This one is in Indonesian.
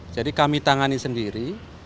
jadi kami tangani sendiri